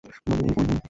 মানে ওই মেয়ে?